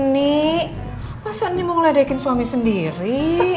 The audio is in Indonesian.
nih pasok nih mau ngeledekin suami sendiri